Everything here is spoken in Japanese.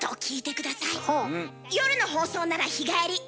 夜の放送なら日帰り。